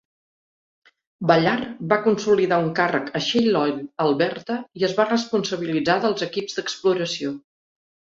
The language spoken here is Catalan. Ballard va consolidar un càrrec a Shell Oil a Alberta i es va responsabilitzar dels equips d'exploració.